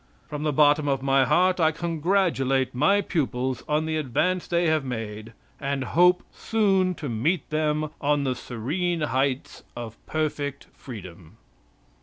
From the bottom of my heart, I congratulate my pupils on the advance they have made, and hope soon to meet them on the serene heights of perfect freedom.